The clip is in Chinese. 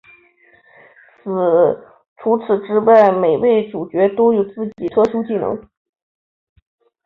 除此之外每位主角都有自己的特殊技能。